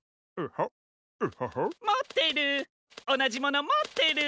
もってる！